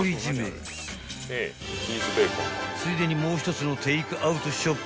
［ついでにもう一つのテークアウトショップ